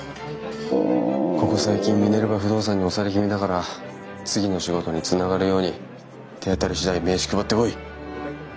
ここ最近ミネルヴァ不動産に押され気味だから次の仕事につながるように手当たり次第名刺配ってこい！